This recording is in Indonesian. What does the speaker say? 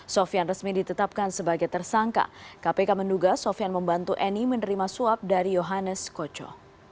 sofian resmi ditetapkan sebagai tersangka kpk menduga sofian membantu eni menerima suap dari yohannes koco